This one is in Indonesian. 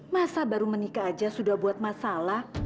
masa baru menikah aja sudah buat masalah